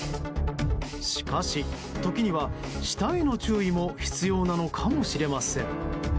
しかし、時には下への注意も必要なのかもしれません。